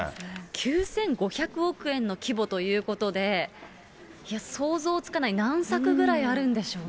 ９５００億円の規模ということで、想像つかない、何作ぐらいあるんでしょうね。